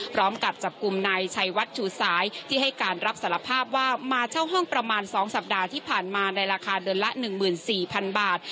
พร้อมกับจับกลุ่มนายชัยวัดชูสายที่ให้การรับสารภาพว่ามาเช่าห้องประมาณ๒สัปดาห์ที่ผ่านมาในราคาเดือนละ๑๔๐๐๐บาท